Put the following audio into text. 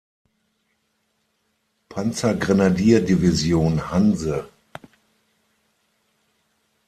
Panzergrenadierdivision „Hanse“.